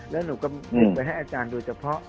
แล้วหนูก็ไปให้อาจารย์ดูเฉพาะ